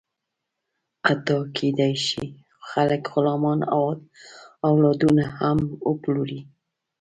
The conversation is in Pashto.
حتی کېدی شي، خلک غلامان او اولادونه هم وپلوري.